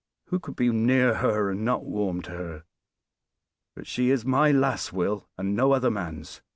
Who could be near her, and not warm to her? But she is my lass, Will, and no other man's.